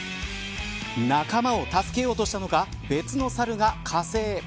仲間を助けようとしたのか別のサルが加勢。